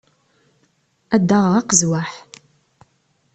Ad d-aɣeɣ aqezwaḥ.